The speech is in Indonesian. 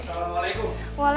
gue mau ke udara